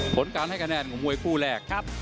ผลการให้คะแนนของมวยคู่แรกครับ